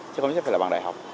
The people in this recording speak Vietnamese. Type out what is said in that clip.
chứ không nhất là bằng đại học